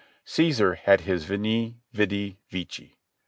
Caesar had his Vcni, vidi, vici.